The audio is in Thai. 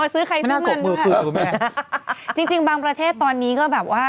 อ๋อซื้อใครทั่วเงินด้วยค่ะจริงบางประเทศตอนนี้ก็แบบว่า